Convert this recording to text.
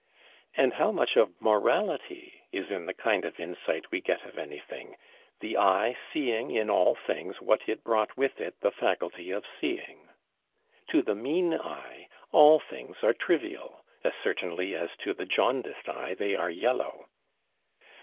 And how much of morality is in the kind of insight we get of anything; "the eye seeing in all things what it brought with it the faculty of seeing"! To the mean eye all things are trivial, as certainly as to the jaundiced they are yellow.